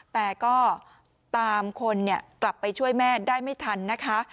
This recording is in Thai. แต่ก็ตามคนกลับไปช่วยแม่ได้ไม่ทันนะคะ